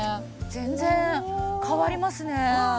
全然変わりますね！